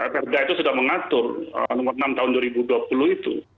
perda itu sudah mengatur nomor enam tahun dua ribu dua puluh itu